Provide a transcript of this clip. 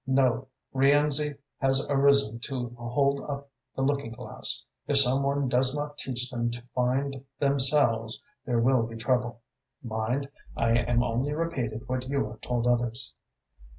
No Rienzi has arisen to hold up the looking glass. If some one does not teach them to find themselves, there will be trouble. Mind, I am only repeating what you have told others."